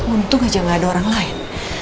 untung aja gak ada orang lain